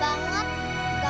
ganggu orang tidur aja sih